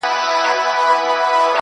يوه غټ سترگي دومره لېونتوب ته رسيدلې_